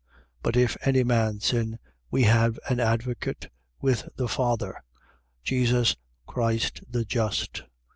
But if any man sin, we have an advocate with the Father, Jesus Christ the just.